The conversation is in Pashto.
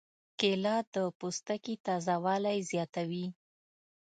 کېله د پوستکي تازه والی زیاتوي.